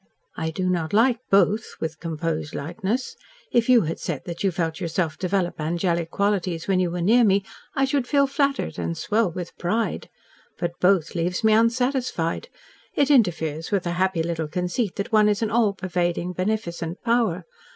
"I do not like 'both,'" with composed lightness. "If you had said that you felt yourself develop angelic qualities when you were near me, I should feel flattered, and swell with pride. But 'both' leaves me unsatisfied. It interferes with the happy little conceit that one is an all pervading, beneficent power.